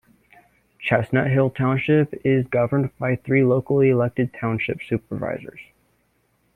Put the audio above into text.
Chestnuthill Township is governed by three locally elected, Township Supervisors.